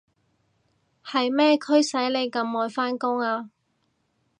係咩驅使你咁愛返工啊？